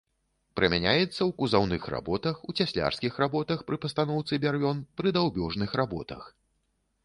Прымяняецца ў кузаўных работах, у цяслярскіх работах пры пастаноўцы бярвён, пры даўбёжных работах.